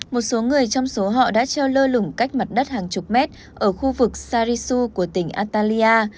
một số người trong số họ đã treo lơ lửng cách mặt đất hàng chục mét ở khu vực sarisu của tỉnh antalya